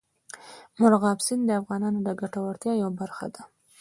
مورغاب سیند د افغانانو د ګټورتیا یوه برخه ده.